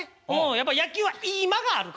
やっぱ野球はいい間があるから。